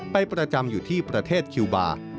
ประจำอยู่ที่ประเทศคิวบาร์